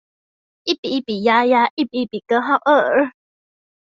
一比一比鴨鴨，一比一比根號二